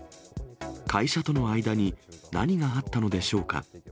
会社との間に何があったのでしょうか。